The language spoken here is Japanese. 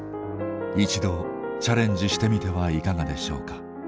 一度チャレンジしてみてはいかがでしょうか？